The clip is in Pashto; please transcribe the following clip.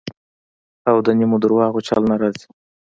او د نیمو درواغو چل نه راځي.